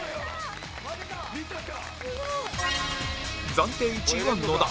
暫定１位は野田